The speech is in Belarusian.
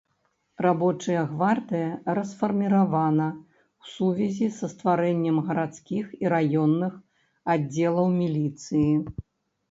Рабочая гвардыя расфарміравана ў сувязі са стварэннем гарадскіх і раённых аддзелаў міліцыі.